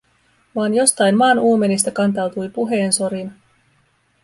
Vaan jostain maan uumenista kantautui puheensorina.